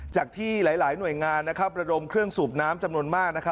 จากที่หลายหน่วยงานระดมเครื่องสูบน้ำจำนวนมาก